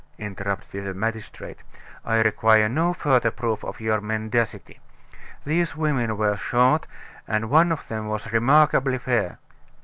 interrupted the magistrate, "I require no further proof of your mendacity. These women were short, and one of them was remarkably fair."